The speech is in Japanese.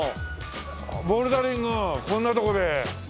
ボルダリングこんなとこで。